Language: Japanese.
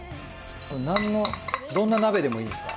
なんのどんな鍋でもいいですか？